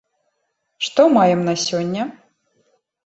Што маем на сёння?